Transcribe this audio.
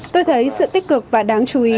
tôi thấy sự tích cực và đáng chú ý